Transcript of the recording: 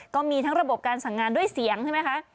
ก็มีทั้งระบบการสั่งงานด้วยเสียงใช่ไหมคะ